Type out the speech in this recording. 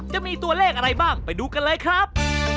จะมีตัวเลขอะไรบ้างไปดูกันเลยครับ